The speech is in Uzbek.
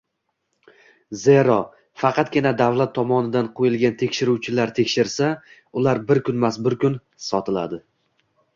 Zero faqatgina davlat tomonidan qo‘yilgan tekshiruvchilar tekshirsa, ular bir kunmas-bir kun... sotiladi.